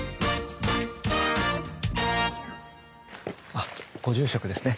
あご住職ですね。